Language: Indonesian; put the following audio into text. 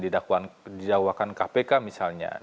didakwakan kpk misalnya